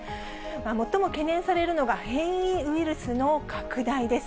最も懸念されるのが、変異ウイルスの拡大です。